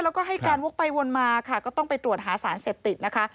แล้วก็ให้การวกไปวนมาค่ะก็ต้องไปตรวจหาสารเสพติดนะคะ